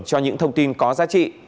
cho những thông tin có giá trị